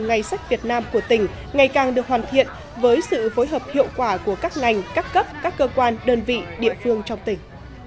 ngày sách việt nam của tỉnh ngày càng được hoàn thiện với sự phối hợp hiệu quả của các ngành các cấp các cơ quan đơn vị địa phương trong tỉnh